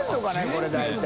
これ大体。